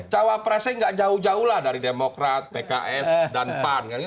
cawapresnya gak jauh jauh lah dari demokrat pks dan pan